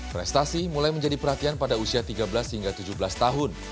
prestasi mulai menjadi perhatian pada usia tiga belas hingga tujuh belas tahun